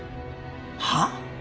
はあ？